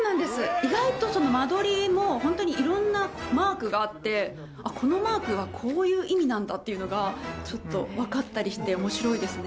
意外とその間取りも、本当にいろんなマークがあって、あっ、このマークはこういう意味なんだっていうのが、ちょっと分かったりして、おもしろいですね。